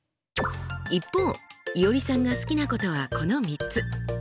一方いおりさんが好きなことはこの３つ。